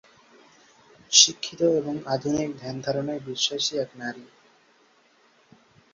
শিক্ষিত এবং আধুনিক ধ্যান ধারণায় বিশ্বাসী এক নারী।